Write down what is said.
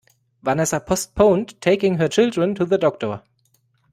Vanessa postponed taking her children to the doctor.